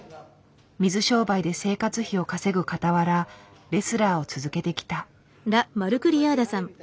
水商売で生活費を稼ぐかたわらレスラーを続けてきた。